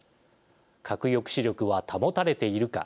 核抑止力は保たれているか。